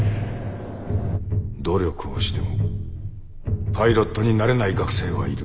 努力をしてもパイロットになれない学生はいる。